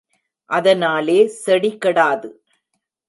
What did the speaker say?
அதனாலே செடி கெடாது.